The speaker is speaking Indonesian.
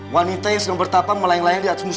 wanita yang sedang bertapa melayang layang di atas musuh